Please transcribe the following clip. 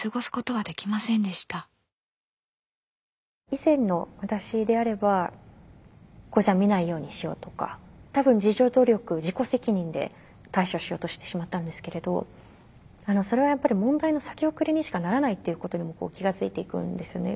以前の私であれば見ないようにしようとか多分自助努力自己責任で対処しようとしてしまったんですけれどそれはやっぱり問題の先送りにしかならないっていうことに気が付いていくんですね。